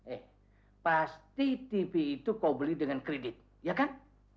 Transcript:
eh pasti tv itu kau beli dengan kredit ya kan